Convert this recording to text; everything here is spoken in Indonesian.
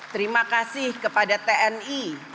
terima kasih kepada tni